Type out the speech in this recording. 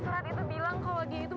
surat itu bilang kalau dia itu